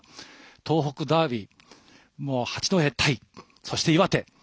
東北ダービー八戸対岩手。